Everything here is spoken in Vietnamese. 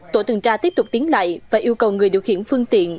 tổ tuần tra tiếp tục tiến lại và yêu cầu người điều khiển phương tiện